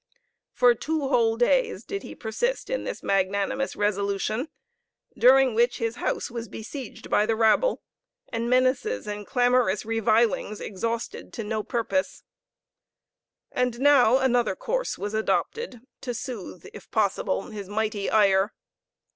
For two whole days did he persist in this magnanimous resolution, during which his house was besieged by the rabble, and menaces and clamorous revilings exhausted to no purpose. And now another course was adopted to soothe, if possible, his mighty ire.